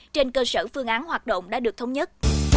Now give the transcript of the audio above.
trên cơ sở phương án hoạt động đã được thống nhất